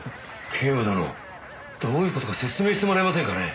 警部殿どういう事か説明してもらえませんかね。